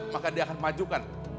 maka dia akan memajukan